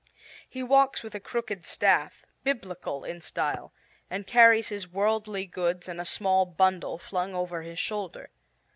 He walks with a crooked staff, biblical in style, and carries his worldly goods in a small bundle flung over his shoulder.